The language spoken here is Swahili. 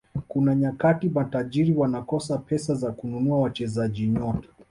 kuna nyakati matajiri wanakosa pesa za kununua wachezaji nyota